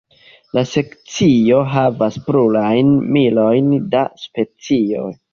La sekcio havas plurajn milojn da specioj.